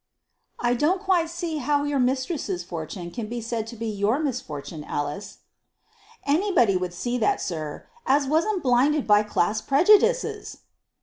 "I don't quite see how your mistress's fortune can be said to be your misfortune, Alice." "Anybody would see that, sir, as wasn't blinded by class prejudices."